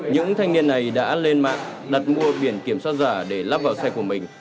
những thanh niên này đã lên mạng đặt mua biển kiểm soát giả để lắp vào xe của mình